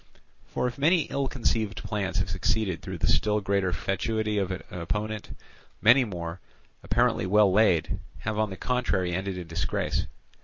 For if many ill conceived plans have succeeded through the still greater fatuity of an opponent, many more, apparently well laid, have on the contrary ended in disgrace.